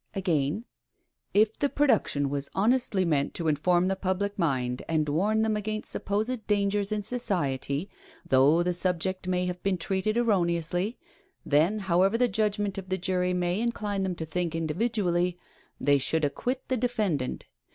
Again, " If the production was honestly meant to inform the public mind, and warn them against supposed dangers in society — though the subject may have been treated erroneously — then, however the judgment of the jury may incline them to think individually, they should acquit the defendant.